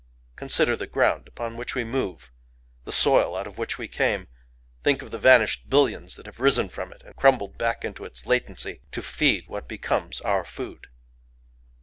Consider the ground upon which we move, the soil out of which we came;—think of the vanished billions that have risen from it and crumbled back into its latency to feed what becomes our food!